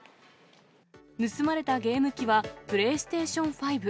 盗まれたゲーム機はプレイステーション５。